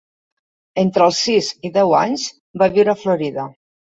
Entre els sis i deu anys, va viure a Florida.